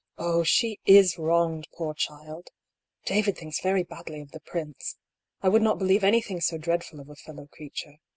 Oh, she is wronged, poor child ! David thinks very badly of the prince. I would not believe anything so dreadful of a fellow creature.